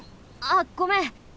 あっごめん！